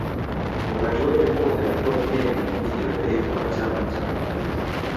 Wakati wote huo alikuwa pia ni Mwenyekiti wa Taifa wa Chama cha Mapinduzi